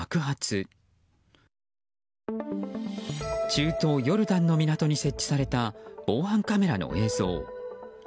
中東ヨルダンの港に設置された防犯カメラの映像。